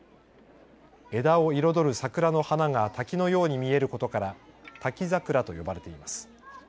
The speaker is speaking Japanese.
枝を彩る桜の花が滝のように見えることから滝桜と呼ばれています。